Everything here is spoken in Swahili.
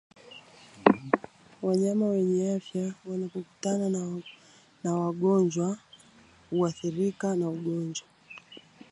Wanyama wenye afya wanapokutana na wagonjwa huathirika na ugonjwa